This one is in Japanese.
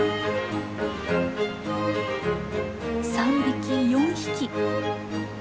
３匹４匹。